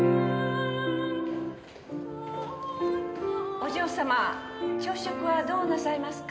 お嬢様朝食はどうなさいますか？